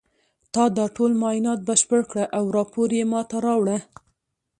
تا دا ټول معاینات بشپړ کړه او راپور یې ما ته راوړه